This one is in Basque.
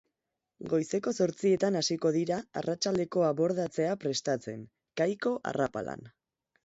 Goizeko zortzietan hasiko dira arratsaldeko abordatzea prestatzen, kaiko arrapalan.